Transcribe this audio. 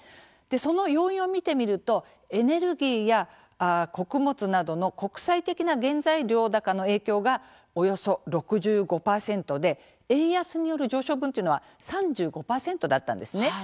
その要因を見てみるとエネルギーや穀物などの国際的な原材料高の影響がおよそ６５％で円安による上昇分というのは３５％だったんですね。